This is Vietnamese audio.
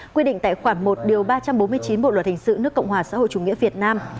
quy định tại khoản một điều ba trăm bốn mươi chín bộ luật hình sự nước cộng hòa xã hội chủ nghĩa việt nam